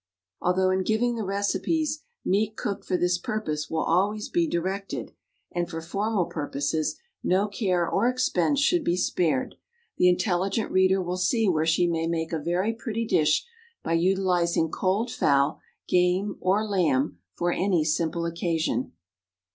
Although in giving the recipes meat cooked for the purpose will always be directed, and for formal purposes no care or expense should be spared, the intelligent reader will see where she may make a very pretty dish by utilizing cold fowl, game, or lamb for any simple occasion.